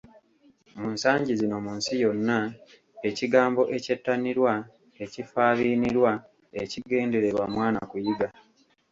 Mu nsangi zino mu nsi yonna ekigambo ekyettanirwa, ekifaabiinirwa, ekigendererwa: Mwana kuyiga.